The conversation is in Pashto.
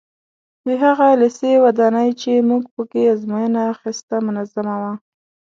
د هغه لېسې ودانۍ چې موږ په کې ازموینه اخیسته منظمه وه.